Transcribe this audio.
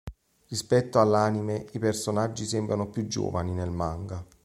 Rispetto all'anime, i personaggi sembrano più giovani nel manga.